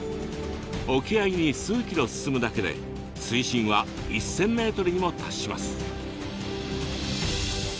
沖合に数ｋｍ進むだけで水深は１，０００ｍにも達します。